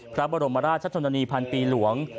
พระบรมราชชนนีพันปีหลวง